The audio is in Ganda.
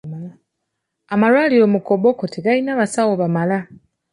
Amalwaliro mu Koboko tegalina basawo bamala.